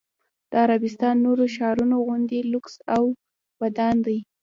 د عربستان نورو ښارونو غوندې لوکس او ودان دی.